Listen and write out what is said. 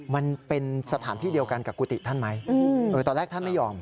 มันเป็นสถานที่เดียวกันกับกุฏิท่านไหมตอนแรกท่านไม่ยอม